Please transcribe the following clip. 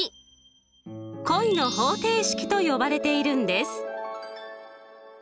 恋の方程式と呼ばれているんです。